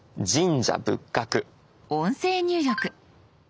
音声入力。